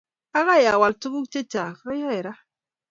Agoi awaal tuguk chechang oyoe raa